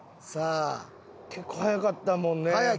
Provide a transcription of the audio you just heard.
結構速かったもんね。